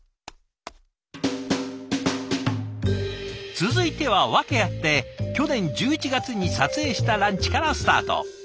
続いては訳あって去年１１月に撮影したランチからスタート。